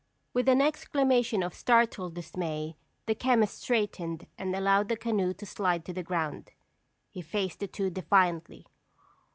With an exclamation of startled dismay, the chemist straightened and allowed the canoe to slide to the ground. He faced the two defiantly.